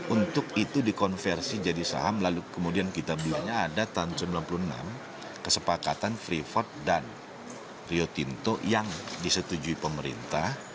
untuk itu dikonversi jadi saham lalu kemudian kita bilangnya ada tahun seribu sembilan ratus sembilan puluh enam kesepakatan freeport dan rio tinto yang disetujui pemerintah